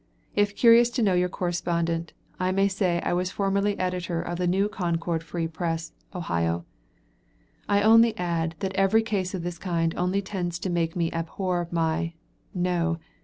If curious to know your correspondent, I may say I was formerly Editor of the "New Concord Free Press," Ohio. I only add that every case of this kind only tends to make me abhor my (no!)